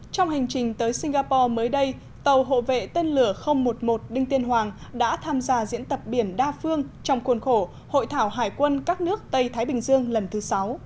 trong hành trình tới singapore mới đây tàu hộ vệ tên lửa một mươi một đinh tiên hoàng đã tham gia diễn tập biển đa phương trong khuôn khổ hội thảo hải quân các nước tây thái bình dương lần thứ sáu